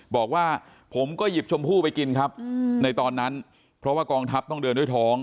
บอกว่าผมก็หยิบชมพู่ไปกินครับในตอนนั้นเพราะว่ากองทัพต้องเดินด้วยท้อง